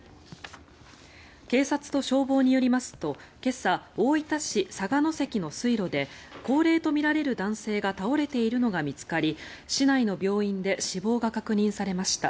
警察と消防によりますと今朝、大分市佐賀関の水路で高齢とみられる男性が倒れているのが見つかり市内の病院で死亡が確認されました。